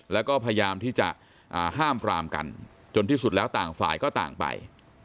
แล้วก็พยายามที่จะห้ามปรามกันจนที่สุดแล้วต่างฝ่ายก็ต่างไป